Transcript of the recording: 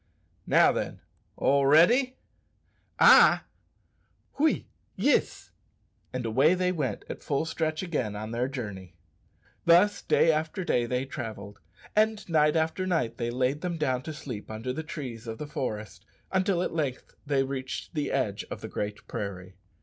"Now then, all ready?" "Ay" "Oui, yis!" And away they went at full stretch again on their journey. Thus day after day they travelled, and night after night they laid them down to sleep under the trees of the forest, until at length they reached the edge of the Great Prairie.